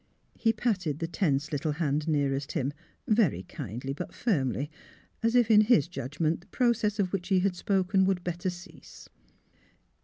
He patted the tense little hand nearest him, very kindly but firmly, as if in his judgment the proc ess of which he had spoken would better cease.